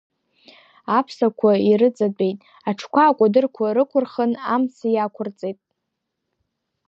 Аԥсақәа ирыҵатәеит, аҽқәа акәадырқәа рықәырхын, амца иақәырҵет.